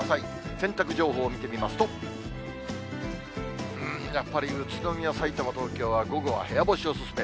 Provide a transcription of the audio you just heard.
洗濯情報見てみますと、うーん、やっぱり宇都宮、さいたま、東京は午後は部屋干しお勧め。